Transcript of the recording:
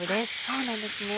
そうなんですね。